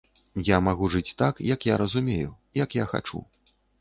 Я магу жыць так, як я разумею, як я хачу.